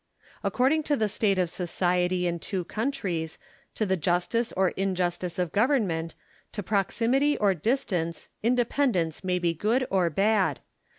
According to the state of society in two countries, to the justice or injustice of government, to proximity or distance, independence may be good or bad.